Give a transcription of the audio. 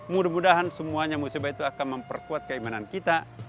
mudah mudahan semuanya musibah itu akan memperkuat keimanan kita